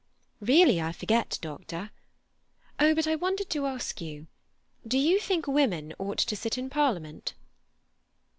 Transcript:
"Really, I forget, doctor. Oh, but I wanted to ask you, Do you think women ought to sit in Parliament?"